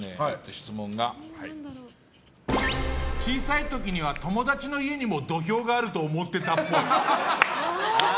小さい時には友達の家にも土俵があると思っていたっぽい。